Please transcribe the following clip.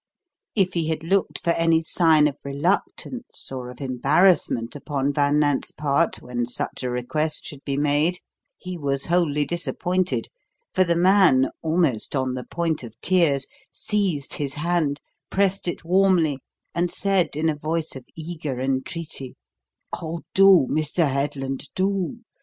If he had looked for any sign of reluctance or of embarrassment upon Van Nant's part when such a request should be made, he was wholly disappointed, for the man, almost on the point of tears, seized his hand, pressed it warmly, and said in a voice of eager entreaty: "Oh, do, Mr. Headland, do.